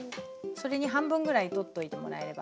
それに半分ぐらいとっといてもらえれば。